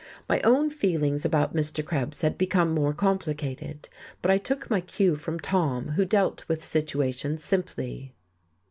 My own feeling about Mr. Krebs had become more complicated; but I took my cue from Tom, who dealt with situations simply.